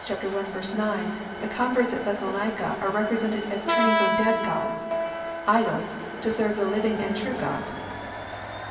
1:9, the converts at Thessalonica are represented as turning from dead gods, "idols, to serve the living and true God."